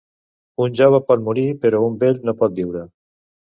Un jove pot morir, però un vell no pot viure.